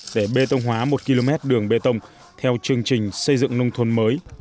để bê tông hóa một km đường bê tông theo chương trình xây dựng nông thôn mới